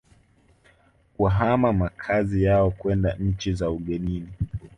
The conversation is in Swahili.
kuhama makazi yao kwenda nchi za ugenini